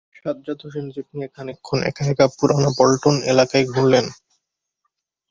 Sajjad Hossain jeep নিয়ে খানিকক্ষণ একা-একা পুরানা পন্টন এলাকায় ঘুরলেন।